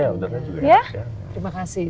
iya udaranya juga